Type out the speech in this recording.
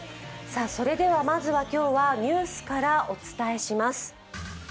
それではまずは今日はニュースからお伝えします。